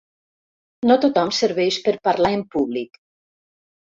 No tothom serveix per parlar en públic.